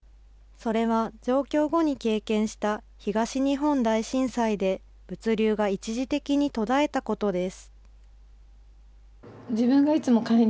それは上京後に経験した東日本大震災で、物流が一時的に途絶えたことです。